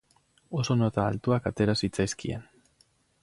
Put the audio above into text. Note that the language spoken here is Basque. oso nota altuak atera zitzaizkien.